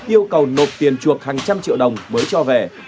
yêu cầu nộp tiền chuộc hàng trăm triệu đồng mới cho về